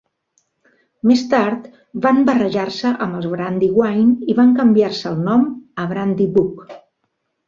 Més tard van barrejar-se amb els Brandywine i van canviar-se el nom a Brandybuck.